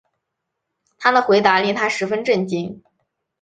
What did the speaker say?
他的回答令她十分震惊